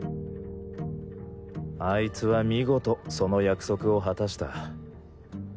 あいつは見事その約束を果たした。